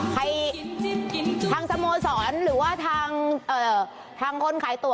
ทางสโมสรหรือว่าทางคนขายตัว